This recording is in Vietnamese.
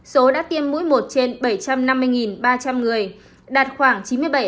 số đã tiêm mũi một trên bảy trăm năm mươi ba trăm linh người đạt khoảng chín mươi bảy năm mươi bảy